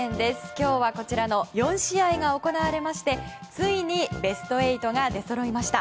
今日はこちらの４試合が行われましてついにベスト８が出そろいました。